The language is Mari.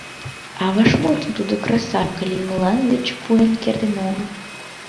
А вашмутым тудо Красавка лиймылан верч пуэн кертын огыл.